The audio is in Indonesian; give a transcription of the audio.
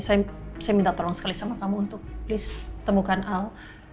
saya minta tolong sekali sama kamu untuk please temukan al